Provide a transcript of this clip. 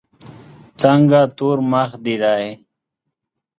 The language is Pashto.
څنګه تور مخ دي دی.